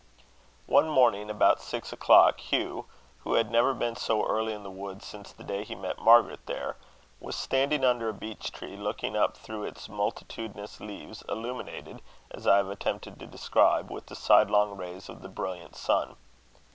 One morning, about six o'clock, Hugh, who had never been so early in the wood since the day he had met Margaret there, was standing under a beech tree, looking up through its multitudinous leaves, illuminated, as I have attempted to describe, with the sidelong rays of the brilliant sun.